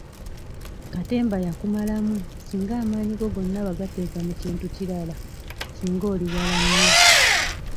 Katemba yakumalamu singa amaanyi go gonna wagateeka mu kintu ekirala singa oli wala nnyo.